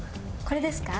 これですか？